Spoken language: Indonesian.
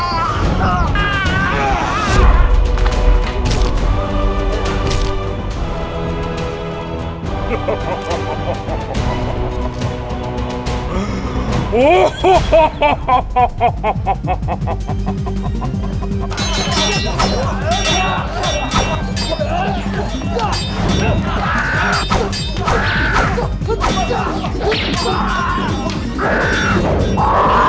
kau tak bisa menangkapku